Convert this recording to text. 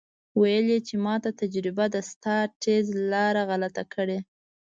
ویل یې چې ماته تجربه ده ستا ټیز لاره غلطه کړې.